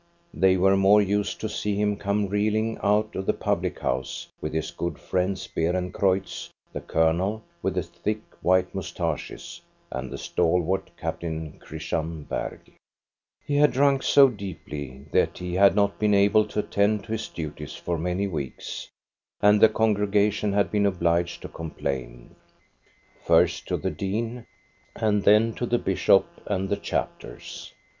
They were more used to see him come reeling out of the public house with his good friends, Beerencreutz, the Colonel with the thick, white moustaches, and the stalwart Captain Christian Bergh. He had drunk so deeply that he had not been able to attend to his duties for many weeks, and the con 2 INTRODUCTION gregation had been obliged to complain, first to the dean, and then to the bishop and the chapters.